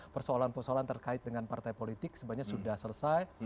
persoalan persoalan terkait dengan partai politik sebenarnya sudah selesai